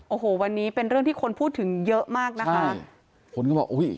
โอ้โหวันนี้เป็นเรื่องที่คนพูดถึงเยอะมากนะคะคนก็บอกอุ้ย